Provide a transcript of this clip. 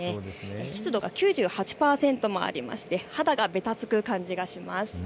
湿度が９８％もあって、肌がべたつく感じがします。